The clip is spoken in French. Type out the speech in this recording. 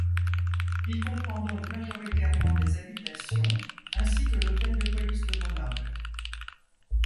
Il comprend donc, majoritairement des habitations, ainsi que l'Hôtel de Police de Grenoble.